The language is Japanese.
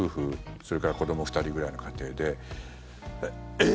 それから子ども２人ぐらいの家庭でえっ！